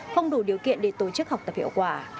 không đủ điều kiện để tổ chức học tập hiệu quả